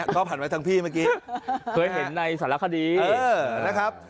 ก็ผ่านไว้ทั้งพี่เมื่อกี้เคยเห็นในสารคดีนะครับ